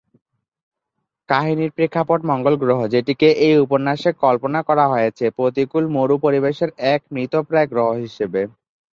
কাহিনির প্রেক্ষাপট মঙ্গল গ্রহ, যেটিকে এই উপন্যাসে কল্পনা করা হয়েছে প্রতিকূল মরু পরিবেশের এক মৃতপ্রায় গ্রহ হিসেবে।